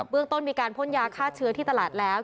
เรื่องต้นมีการพ่นยาฆ่าเชื้อที่ตลาดแล้ว